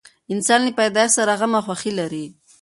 انسان له پیدایښت سره غم او خوښي لري.